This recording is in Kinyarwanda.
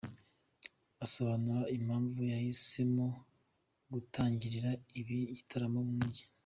Asobanura impamvu yahisemo gutangirira ibi bitaramo mu mujyi.